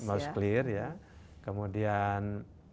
most clear ya kemudian